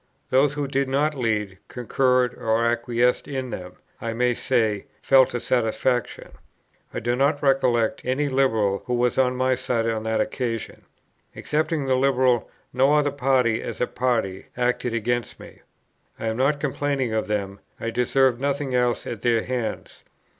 Those who did not lead, concurred or acquiesced in them, I may say, felt a satisfaction. I do not recollect any Liberal who was on my side on that occasion. Excepting the Liberal, no other party, as a party, acted against me. I am not complaining of them; I deserved nothing else at their hands.